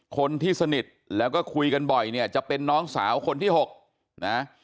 คนที่สนิทแล้วก็คุยกันบ่อยเนี่ยจะเป็นน้องสาวคนที่๖นะ